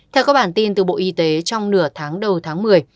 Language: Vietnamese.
theo các bản tin từ bộ y tế trong nửa tháng đầu tháng một mươi